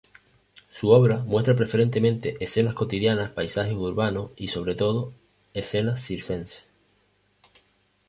Su obra muestra preferentemente escenas cotidianas, paisajes urbanos y, sobre todo, escenas circenses.